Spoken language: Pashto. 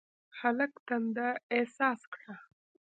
هلک تنده احساس کړه.